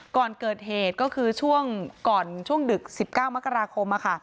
ก่อนเกิดเหตุก็คือช่วงก่อนช่วงดึก๑๙มกราคม